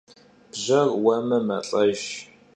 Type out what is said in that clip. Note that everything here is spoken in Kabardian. Bjer vueme, melh'ejj.